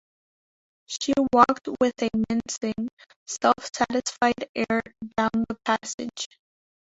She walked with a mincing, self-satisfied air down the passage.